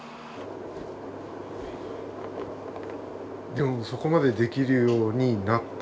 でもそこまでできるようになった。